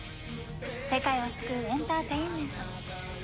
世界を救うエンターテインメント。